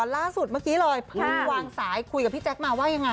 ล่าสุดเมื่อกี้เลยเพิ่งวางสายคุยกับพี่แจ๊คมาว่ายังไง